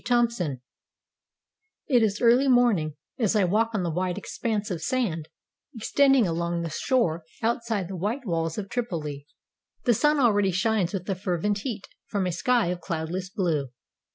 THOMPSON It is early morning, as I walk on the wide expanse of sand extending along the shore outside the white walls of TripoH. The sun already shines with a fervent heat from a sky of cloudless blue.